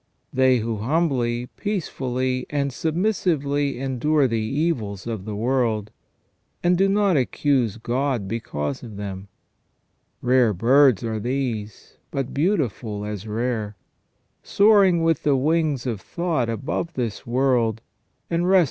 They who humbly, peacefully, and submissively endure the evils of the world, and do not accuse God because of them. Rare birds are these, but beautiful as rare, soaring with the wings of thought above this world, and resting • S.